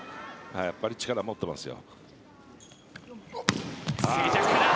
やっぱり力を持っていますよ。